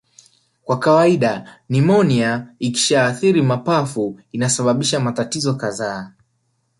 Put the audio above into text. Kwa kawaida nimonia ikishaathiri mapafu inasababisha matatizo kadhaa